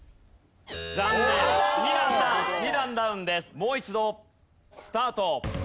もう一度スタート。